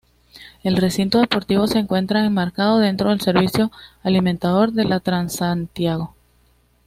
El recinto deportivo se encuentra enmarcado dentro del servicio alimentador de la del Transantiago.